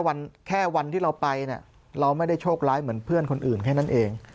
แค่วันที่เราไปเนี่ยเราไม่ได้โชคร้ายเหมือนเพื่อนคนอื่นแค่นั้นเอง